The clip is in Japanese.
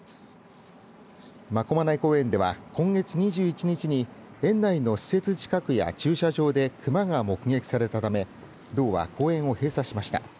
真駒内公園では今月２１日に園内の施設近くや駐車場で熊が目撃されたため道は公園を閉鎖しました。